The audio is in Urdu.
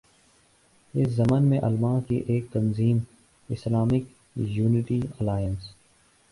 اس ضمن میں علما کی ایک تنظیم ”اسلامک یونٹی الائنس“